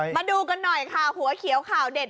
มาดูกันหน่อยค่ะหัวเขียวข่าวเด็ด